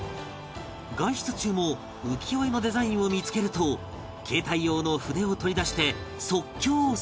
外出中も浮世絵のデザインを見付けると携帯用の筆を取り出して即興スケッチ